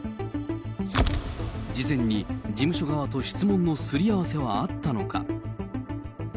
事前に事務所側と質問のすり合わせはあったのか。